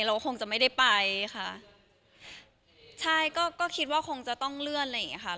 เราคงจะไม่ได้ไปค่ะใช่ก็ก็คิดว่าคงจะต้องเลื่อนอะไรอย่างเงี้ค่ะ